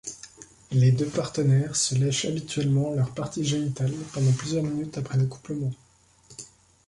Les deux partenaires se lèchent habituellement leurs parties génitales pendant plusieurs minutes après l'accouplement.